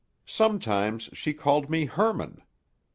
Sometimes she called me Hermann.